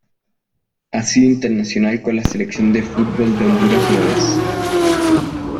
Ha sido internacional con la Selección de fútbol de Honduras una vez.